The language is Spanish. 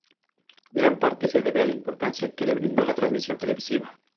Gran parte se debe a la importancia que le brindó la transmisión televisiva.